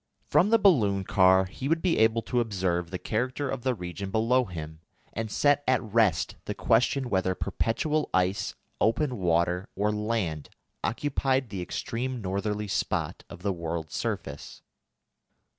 From the balloon car he would be able to observe the character of the region below him, and set at rest the question whether perpetual ice, open water, or land, occupied the extreme northerly spot of the world's surface.